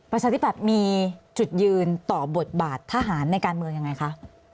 ประชาธิบัติมีจุดยืนต่อบทบาททหารในการเมืองยังไงคะ